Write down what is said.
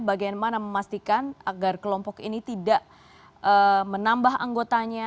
bagaimana memastikan agar kelompok ini tidak menambah anggotanya